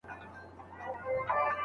ده د مشورو شورا لرله.